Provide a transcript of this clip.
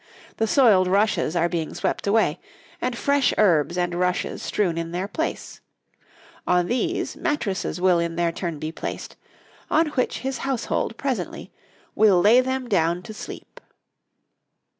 The soiled rushes are being swept away, and fresh herbs and rushes strewn in their place; on these mattresses will in their turn be placed, on which his household presently will lay them down to sleep.